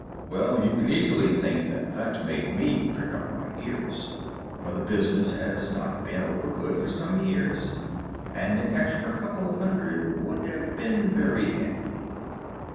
"Well, you can easily think that that made me prick up my ears, for the business has not been over good for some years, and an extra couple of hundred would have been very handy.